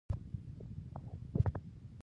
کمزورې ټولنې له بهرنیو ګواښونو نه ژغورل کېږي.